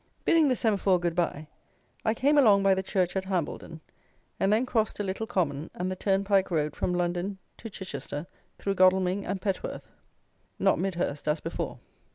Bidding the Semaphore good bye, I came along by the church at Hambledon, and then crossed a little common and the turnpike road from London to Chichester through Godalming and Petworth; not Midhurst, as before.